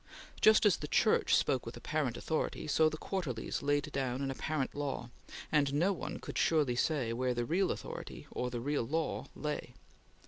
Just as the Church spoke with apparent authority, or the quarterlies laid down an apparent law, and no one could surely say where the real authority, or the real law, lay.